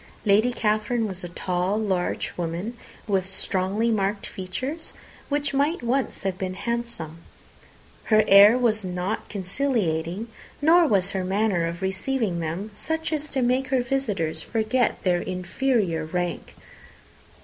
Lady Catherine was a tall, large woman, with strongly marked features, which might once have been handsome. Her air was not conciliating, nor was her manner of receiving them such as to make her visitors forget their inferior rank.